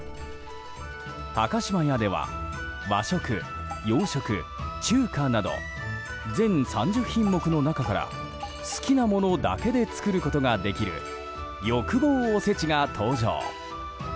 高島屋では和食、洋食、中華など全３０品目の中から好きなものだけで作ることができる欲望おせちが登場。